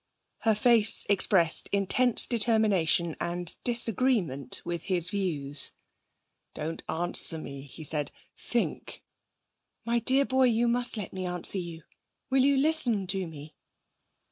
Her face expressed intense determination and disagreement with his views. 'Don't answer me,' he said, 'think ' 'My dear boy, you must let me answer you. Will you listen to me?'